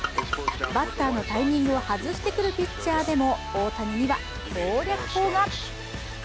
バッターのタイミングを外してくるピッチャーでも大谷には攻略法が。